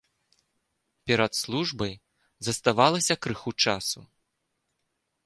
Перад службай заставалася крыху часу.